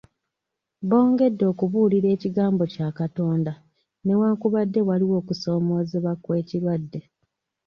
Bongedde okubuulira ekigambo kya Katonda newankubadde waliwo okusoomozebwa kw'ekirwadde.